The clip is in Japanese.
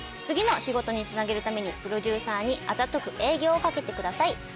次の仕事につなげるためにプロデューサーにあざとく営業をかけてください。